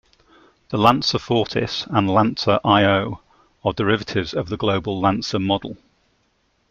The Lancer Fortis and Lancer iO are derivatives of the global Lancer model.